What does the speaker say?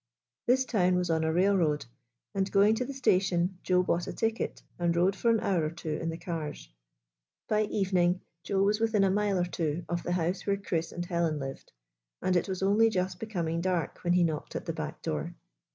This town was on a railroad, and, going to the station, Joe bought a ticket, and rode for an hour or two in the cars. By evening Joe was within a mile or two of the house where Chris and Helen lived, and it was only just becoming dark when he knocked at the back door.